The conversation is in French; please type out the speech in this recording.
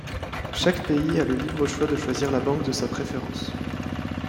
Chaque pays a le libre choix de choisir la Banque de sa préférence.